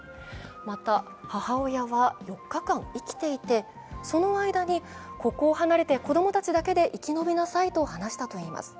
また母親は４日間生きていて、その間にここを離れて子供たちで生き延びなさいと話したといいます。